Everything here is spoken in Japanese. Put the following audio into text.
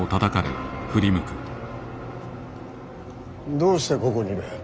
どうしてここにいる。